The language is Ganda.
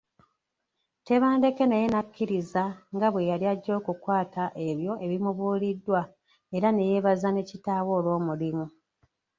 Tebandeke naye nakkiriza nga bwe yali ajja okukwata ebyo ebimubuuliriddwa era neyeebaza ne kitaawe olw’omulimu.